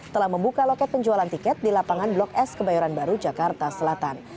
telah membuka loket penjualan tiket di lapangan blok s kebayoran baru jakarta selatan